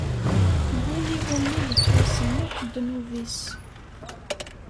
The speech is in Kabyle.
Win iwumi i yettwasemmeḥ ddnub-is.